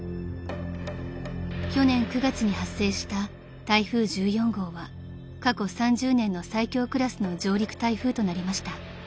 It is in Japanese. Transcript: ［去年９月に発生した台風１４号は過去３０年の最強クラスの上陸台風となりました］